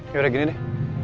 yaudah gini deh